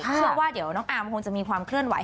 เชื่อว่าเดี๋ยวน้องอาร์มคงจะมีความเคลื่อนไห